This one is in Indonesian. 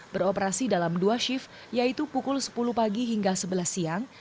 beroperasi dalam dua shift yaitu pukul sepuluh pagi hingga sebelas siang